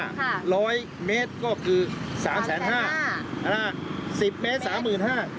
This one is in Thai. ค่ะร้อยเมตรก็คือสามแสนห้าสามแสนห้านะฮะสิบเมตรสามหมื่นห้า